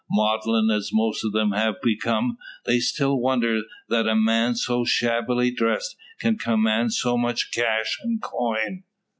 Maudlin as most of them have become, they still wonder that a man so shabbily dressed can command so much cash and coin.